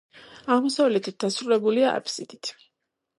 აღმოსავლეთით დასრულებულია აბსიდით.